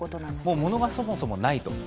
物がそもそもないと。